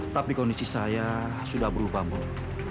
tapi kondisi saya sudah berubah bu